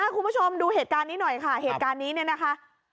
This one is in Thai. คุณผู้ชมดูเหตุการณ์นี้หน่อยค่ะเหตุการณ์นี้เนี่ยนะคะ